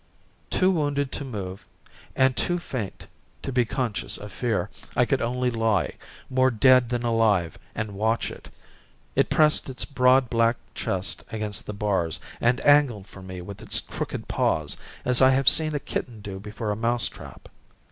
Too wounded to move, and too faint to be conscious of fear, I could only lie, more dead than alive, and watch it. It pressed its broad, black chest against the bars and angled for me with its crooked paws as I have seen a kitten do before a mouse trap.